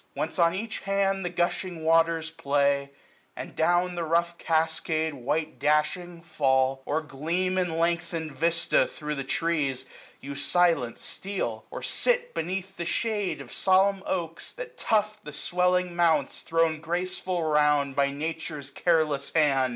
Whence on each hand the gushing waters play ; And down the rough cascade white dashing fall. Or gleam in lengthened vista thro' the trees, 910 You silent steal ; or sit beneath the shade Of solemn oaks, that tuft the swelling mounts Thrown graceful round by Nature's careless hand.